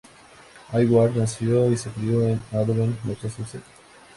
Hayward nació y se crió en Andover, Massachusetts.